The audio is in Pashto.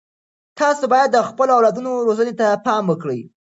تاسو باید د خپلو اولادونو روزنې ته پام وکړئ.